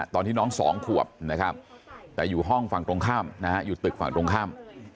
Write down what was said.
ตอนที่น้องสองขวบนะครับแต่อยู่ห้องฝั่งตรงข้ามนะฮะอยู่ตึกฝั่งตรงข้าม